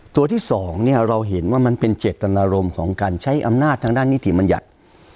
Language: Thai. ตัวที่สองเนี่ยเราเห็นว่ามันเป็นเจตนารมณ์ของการใช้อำนาจทางด้านนิติบัญญัติ